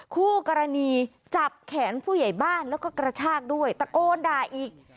คู่กรณีจับแขนผู้ใหญ่บ้านแล้วก็กระชากด้วยตะโกนด่าอีก